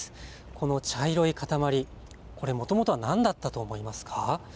この茶色い塊、これ、もともとは何だったと思いますか。